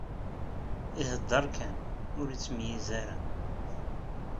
Ihedder kan, ur ittmeyyiz ara.